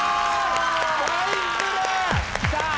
ファインプレー！